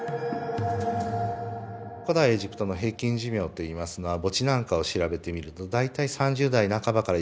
古代エジプトの平均寿命といいますのは墓地なんかを調べてみると大体３０代半ばから４０代ぐらいなんですね。